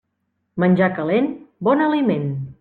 Menjar calent, bon aliment.